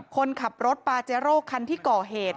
คนขับรถปาเจรกขันที่เกาะเหตุ